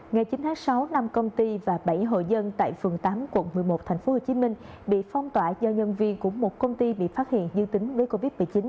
ngày chín tháng sáu năm công ty và bảy hộ dân tại phường tám quận một mươi một tp hcm bị phong tỏa do nhân viên của một công ty bị phát hiện dương tính với covid một mươi chín